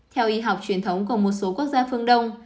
theo y học truyền thống của một số quốc gia phương đông